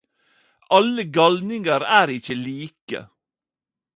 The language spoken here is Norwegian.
Alle galningar er ikkje like